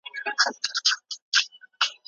طبي سیاحت به پیل سي؟